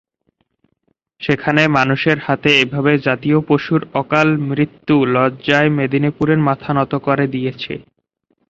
সেখানে মানুষের হাতে এ ভাবে জাতীয় পশুর অকাল মৃত্যু লজ্জায় মেদিনীপুরের মাথা নত করে দিয়েছে।